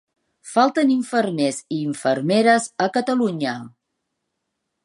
Falten infermers i infermeres a Catalunya.